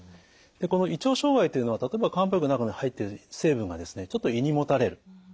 でこの胃腸障害というのは例えば漢方薬の中に入っている成分がちょっと胃にもたれる。